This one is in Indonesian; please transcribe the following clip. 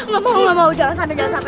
gak mau gak mau jangan sampai jangan sampai